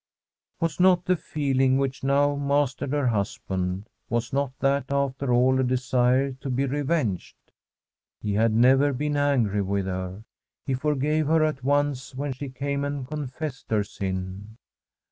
Was not the feeling which now mastered her husband — was not that, after all, a desire to be revenged ? He had never been angry with her. He for gfave her at once when she came and confessed her sin.